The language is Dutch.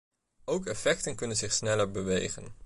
Ook effecten kunnen zich sneller bewegen.